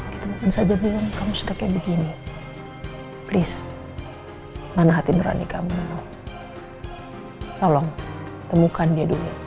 kita perlu dengarkan dia